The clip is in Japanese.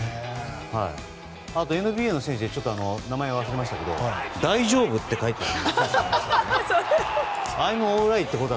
あと、ＮＢＡの選手で名前は忘れましたけど「大丈夫」って書いてあったりとか。